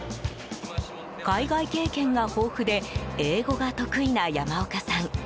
海外経験が豊富で英語が得意な山岡さん。